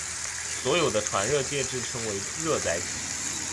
所用的传热介质称为热载体。